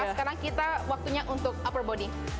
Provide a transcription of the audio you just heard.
sekarang kita waktunya untuk upper body